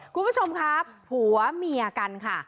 คุณผู้ชมครับผัวเมียกันค่ะ